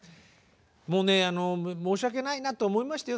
もうね申し訳ないなと思いましたよ。